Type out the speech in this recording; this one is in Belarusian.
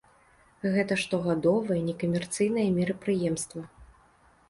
Гэта штогадовае некамерцыйнае мерапрыемства.